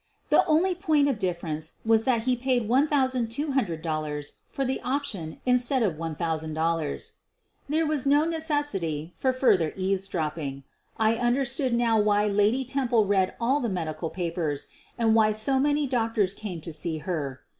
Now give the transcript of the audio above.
The only point of difference was that he paid $1,200 for the option instead of $1,000. There was no necessity for further eavesdrop ping. I understood now why Lady Temple read all the medical papers and why so many doctors came to see her.